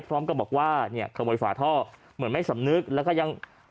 พร้อมกับบอกว่าเนี่ยขโมยฝาท่อเหมือนไม่สำนึกแล้วก็ยัง